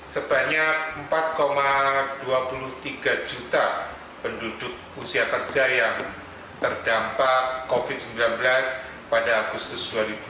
sebanyak empat dua puluh tiga juta penduduk usia kerja yang terdampak covid sembilan belas pada agustus dua ribu dua puluh